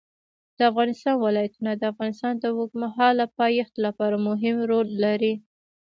د افغانستان ولايتونه د افغانستان د اوږدمهاله پایښت لپاره مهم رول لري.